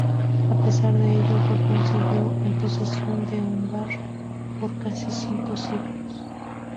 A pesar de ello, Gondor siguió en posesión de Umbar, por casi cinco siglos.